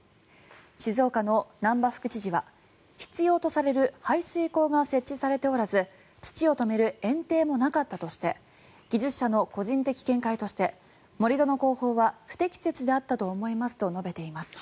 静岡の難波副知事は必要とされる排水溝が設置されておらず土を止めるえん堤もなかったとして技術者の個人的見解として盛り土の工法は不適切であったと思いますと述べています。